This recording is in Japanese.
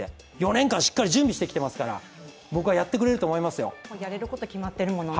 ４年間しっかり準備してきていますから、僕はやってくれると思いますよ。